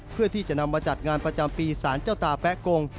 เพื่อที่จะนำมาจัดงานประจำปีสารเจ้าตาแป๊ะกง